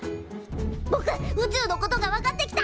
ぼく宇宙のことが分かってきた。